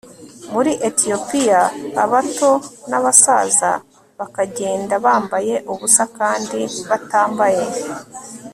muri etiyopiya abato n abasaza bakagenda bambaye ubusa kandi batambaye